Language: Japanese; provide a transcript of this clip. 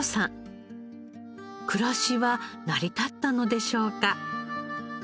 暮らしは成り立ったのでしょうか？